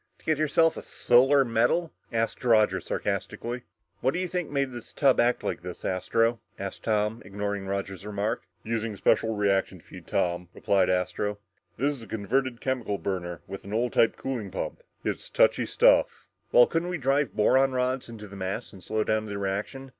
To get yourself a Solar Medal?" asked Roger sarcastically. "What do you think made this tub act up like this, Astro?" asked Tom, ignoring Roger's remark. "Using special reactant feed, Tom," replied Astro. "This is a converted chemical burner with an old type cooling pump. It's touchy stuff." "Well, couldn't we drive boron rods into the mass and slow down the reaction?"